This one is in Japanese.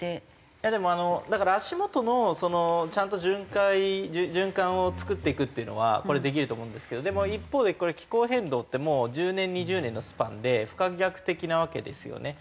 でもだから足元のちゃんと循環を作っていくっていうのはこれできると思うんですけどでも一方で気候変動って１０年２０年のスパンで不可逆的なわけですよね。